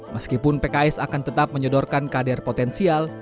meskipun pks akan tetap menyodorkan kader potensial